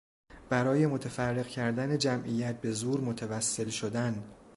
برای متفرق کردن جمعیت به زور متوسل شدن